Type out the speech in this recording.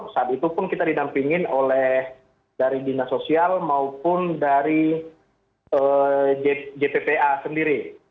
saat itu pun kita didampingin oleh dari dinas sosial maupun dari jppa sendiri